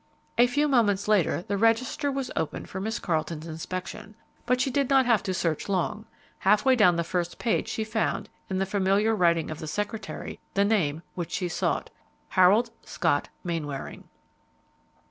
A few moments later the register was opened for Miss Carleton's inspection, but she did not have to search long. Half way down the first page she found, in the familiar writing of the secretary, the name which she sought "Harold Scott Mainwaring."